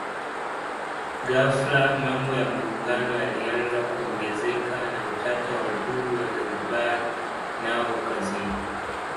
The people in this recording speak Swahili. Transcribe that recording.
Ghafla mambo ya Muungano yalianza kuongezeka na utata wa uhuru wa Zanzibar nao ukazidi